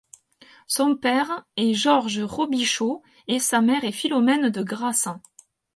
Son père est George Robichaud et sa mère est Philomène de Grasse.